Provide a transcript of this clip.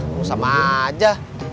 ah sama aja